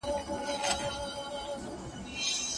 زما د زړه کوچۍ پر سپينه زنه خال وهي